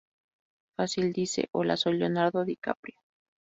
Fácil, dice: "Hola, soy Leonardo DiCaprio".